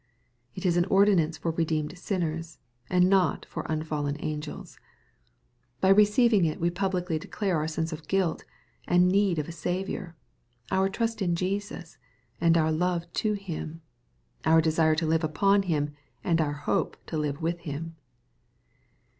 It is an ordinance for redeemed sinners, and not for unfallen angels. By receiving it we publicly declare our sense of guilt, and need of a Saviour, — biir trust in ^esus^and our love to Him,— our desire to live upon Him, and our hope to live with Him.